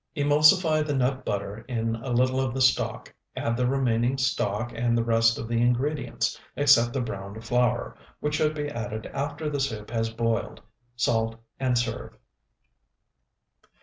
Emulsify the nut butter in a little of the stock, add the remaining stock and the rest of the ingredients, except the browned flour, which should be added after the soup has boiled. Salt, and serve.